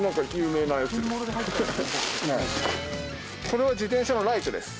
これは自転車のライトです。